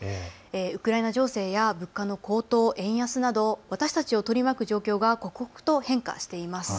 ウクライナ情勢や物価の高騰、円安など私たちを取り巻く状況が刻々と変化しています。